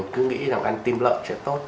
cứ nghĩ ăn tim lợn sẽ tốt